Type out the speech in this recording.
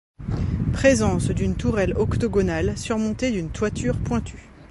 Présence d'une tourelle octogonale surmontée d'une toiture pointue.